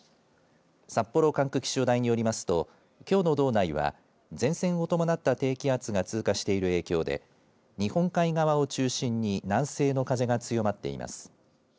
札幌管区気象台によりますときょうの道内は前線を伴った低気圧が通過している影響で日本海側を中心に南西の風が強まっています。